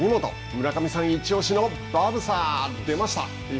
村上さん、イチ推しのバブサー出ました。